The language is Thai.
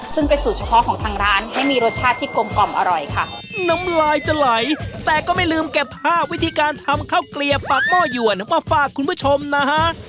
ซึ่งเป็นสูตรเฉพาะของทางร้านให้มีรสชาติที่กลมกล่อมอร่อยค่ะน้ำลายจะไหลแต่ก็ไม่ลืมเก็บภาพวิธีการทำข้าวเกลียบปากหม้อยวนมาฝากคุณผู้ชมนะฮะ